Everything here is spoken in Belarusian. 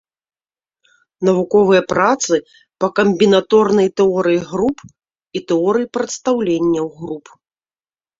Навуковыя працы па камбінаторнай тэорыі груп і тэорыі прадстаўленняў груп.